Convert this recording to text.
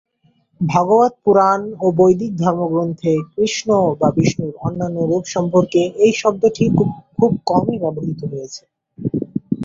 ভাগবত পুরাণ ও বৈদিক ধর্মগ্রন্থে কৃষ্ণ বা বিষ্ণুর অন্যান্য রূপ সম্পর্কে এই শব্দটি খুব কমই ব্যবহৃত হয়েছে।